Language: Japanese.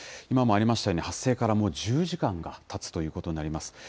今もありましたように、発生からもう１０時間がたつということになります。